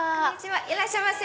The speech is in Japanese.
いらっしゃいませ。